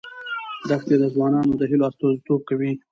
دښتې د ځوانانو د هیلو استازیتوب کوي.